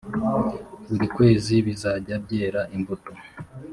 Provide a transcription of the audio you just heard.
buri kwezi bizajya byera imbuto